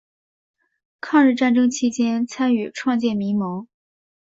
抗日战争期间参与创建民盟。